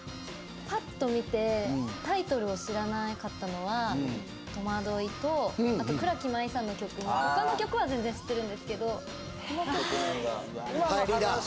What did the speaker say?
パッと見てタイトルを知らなかったのは「とまどい」とあと倉木麻衣さんの曲も他の曲は全然知ってるんですけどこの曲はいリーダー